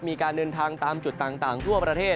มีการเดินทางตามจุดต่างทั่วประเทศ